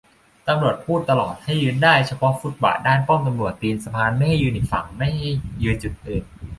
ตำรวจพูดตลอดให้ยืนได้เฉพาะฟุตบาทด้านป้อมตำรวจตีนสะพาน ไม่ให้ยืนอีกฝั่ง ไม่ให้ยืนจุดอื่น